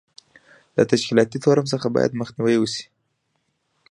له تشکیلاتي تورم څخه باید مخنیوی وشي.